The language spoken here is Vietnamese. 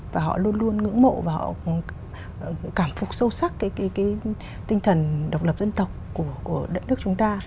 và họ luôn luôn ngưỡng mộ và họ cũng cảm phục sâu sắc cái cái cái tinh thần độc lập dân tộc của đất nước chúng ta